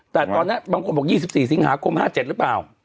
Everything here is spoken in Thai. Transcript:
แต่ตอนนี้บางคนบอก๒๔สิงหาคม๕๗หรือเปล่า